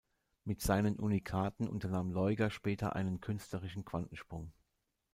Mit seinen Unikaten unternahm Laeuger später einen künstlerischen Quantensprung.